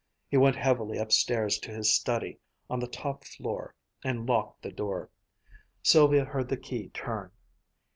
He went heavily upstairs to his study on the top floor and locked the door. Sylvia heard the key turn.